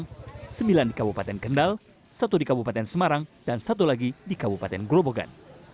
sembilan di kabupaten semarang sembilan di kabupaten kendal satu di kabupaten semarang dan satu lagi di kabupaten grobogan